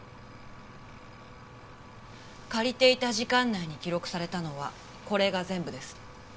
借りていた時間内に記録されたのはこれが全部です。